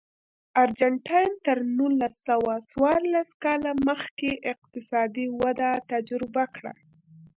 ارجنټاین تر نولس سوه څوارلس کال مخکې اقتصادي وده تجربه کړه.